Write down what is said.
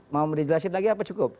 mau dijelasin lagi apa cukup